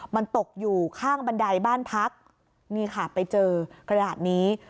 มันตกอยู่ข้างบันไดบ้านพักนี่ค่ะไปเจอกระดาษนี้